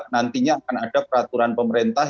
nantinya akan ada peraturan pemerintah